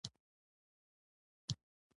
د غرمې له خوا يې مېوه هم راکوله.